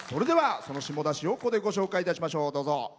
その下田市をここでご紹介いたしましょう。